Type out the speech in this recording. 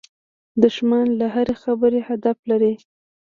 دښمن له هرې خبرې هدف لري